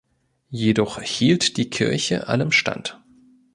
Jedoch hielt die Kirche allem stand.